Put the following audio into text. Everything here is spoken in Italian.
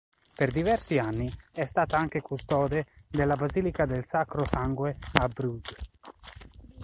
Per diversi anni è stato anche custode della Basilica del Sacro Sangue a Bruges.